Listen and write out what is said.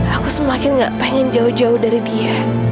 aku semakin gak pengen jauh jauh dari dia